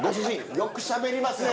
よくしゃべりますね。